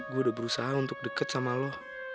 gue udah berusaha untuk dekat sama lo